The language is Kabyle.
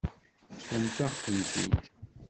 Ṭṭfemt-aɣ-tent-id.